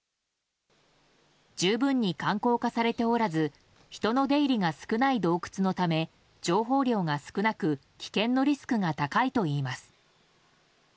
十分に観光化されておらず人の出入りが少ない洞窟のため情報量が少なく危険のリスクが高いといいます。